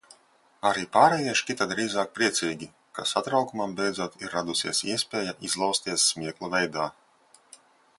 Arī pārējie šķita drīzāk priecīgi, ka satraukumam beidzot ir radusies iespēja izlausties smieklu veidā.